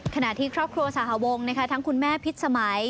ขณะที่ครอบครัวสหวงทั้งคุณแม่พิษสมัย